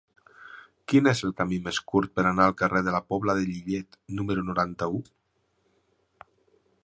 Quin és el camí més curt per anar al carrer de la Pobla de Lillet número noranta-u?